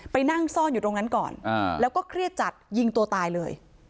ไปนั่งซ่อนอยู่ตรงนั้นก่อนแล้วก็เครียดจัดยิงตัวตายเลย